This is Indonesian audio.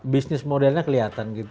bisnis modelnya kelihatan